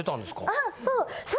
あっそう。